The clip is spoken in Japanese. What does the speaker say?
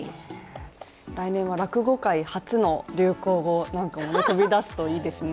来年は落語界初の流行語なんかも飛び出すといいですね。